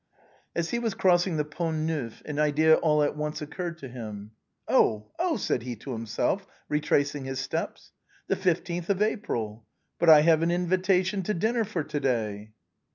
As he was crossing the Pont Neuf an idea all at once occurred to him. " Oh ! oh !" said he to himself, retracing his steps ;" the 15th of April. But I have an invitation to dinner for to day."